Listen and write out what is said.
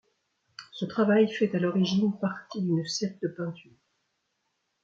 Ce travail fait à l'origine partie d'une série de peintures.